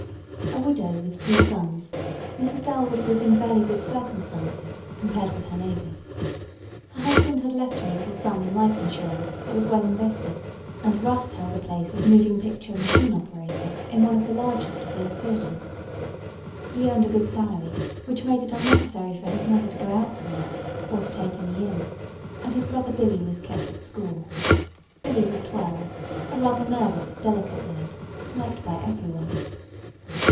A widow with two sons, Mrs. Dalwood was in fairly good circumstances compared with her neighbors. Her husband had left her a little sum in life insurance that was well invested, and Russ held a place as moving picture machine operator in one of the largest of those theaters. He earned a good salary which made it unnecessary for his mother to go out to work, or to take any in, and his brother Billy was kept at school. Billy was twelve, a rather nervous, delicate lad, liked by everyone.